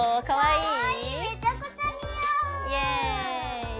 かわいい！